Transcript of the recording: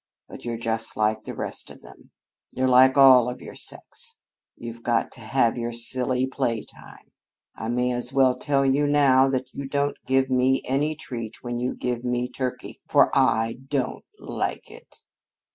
But you're just like the rest of them you're like all of your sex. You've got to have your silly play time. I may as well tell you now that you don't give me any treat when you give me turkey, for I don't like it."